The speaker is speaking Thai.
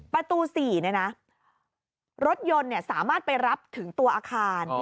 ประตู๔เนี่ยนะรถยนต์เนี่ยสามารถไปรับถึงตัวอาคาร